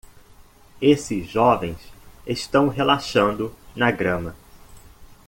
Esses jovens estão relaxando na grama.